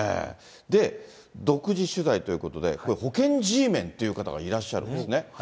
独自取材ということで、保険Ｇメンという方がいらっしゃるんですね。